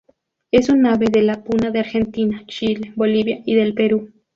Es un ave de la Puna de Argentina, Chile, Bolivia y del Perú.